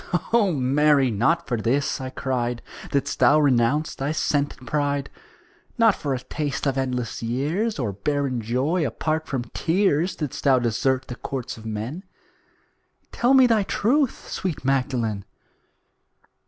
'" "O Mary, not for this," I cried, "Didst thou renounce thy scented pride. Not for a taste of endless years Or barren joy apart from tears Didst thou desert the courts of men. Tell me thy truth, sweet Magdalen!"